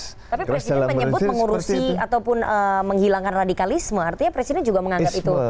tapi presiden menyebut mengurusi ataupun menghilangkan radikalisme artinya presiden juga menganggap itu